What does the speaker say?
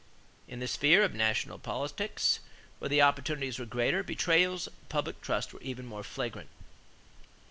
In the sphere of national politics, where the opportunities were greater, betrayals of public trust were even more flagrant.